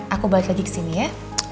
aku balik lagi ke sini ya